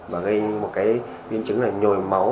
và gây một biến trứng là nhồi máu